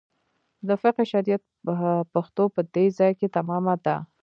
د فقه شریعت پښتو په دې ځای کې تمامه ده.